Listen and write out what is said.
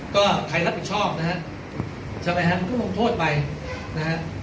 ก็ใครรับผิดชอบนะฮะใช่ไหมฮะมันก็ลงโทษไปนะฮะ